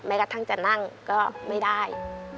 กระทั่งจะนั่งก็ไม่ได้